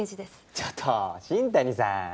ちょっと新谷さん！